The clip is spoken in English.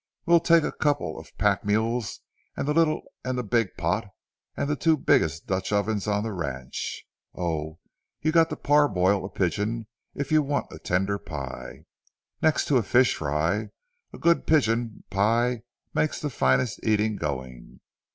We'll take a couple of pack mules and the little and the big pot and the two biggest Dutch ovens on the ranch. Oh, you got to parboil a pigeon if you want a tender pie. Next to a fish fry, a good pigeon pie makes the finest eating going.